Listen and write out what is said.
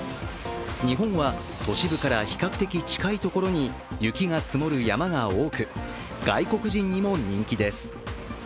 日本は、都市部から比較的近いところに雪が積もる山が多く、外国人にも人気です。